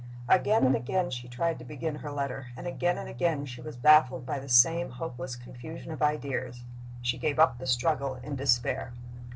Again and again she tried to begin her letter, and again and again she was baffled by the same hopeless confusion of ideas. She gave up the struggle in despair.